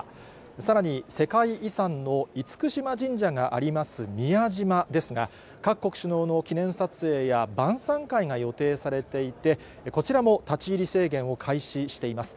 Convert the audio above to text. さらに、世界遺産の厳島神社があります宮島ですが、各国首脳の記念撮影や晩さん会が予定されていて、こちらも立ち入り制限を開始しています。